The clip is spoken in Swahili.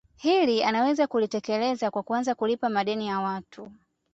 Hili anaweza kulitekeleza kwa kuanza kulipa madeni ya watu